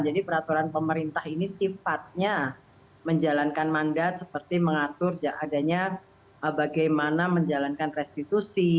jadi peraturan pemerintah ini sifatnya menjalankan mandat seperti mengatur adanya bagaimana menjalankan restitusi